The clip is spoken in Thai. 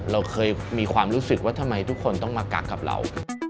เราเคยมีความรู้สึกว่าทำไมทุกคนต้องมากักกับเรา